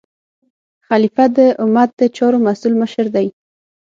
خلیفه د امت د چارو مسؤل مشر دی.